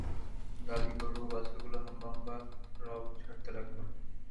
গাভী, গরু ও বাছুরগুলো হাম্বা হাম্বা রব ছাড়তে লাগল।